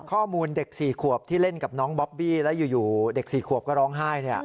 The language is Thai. ข้อมูลเด็ก๔ขวบที่เล่นกับน้องบอบบี้แล้วอยู่เด็ก๔ขวบก็ร้องไห้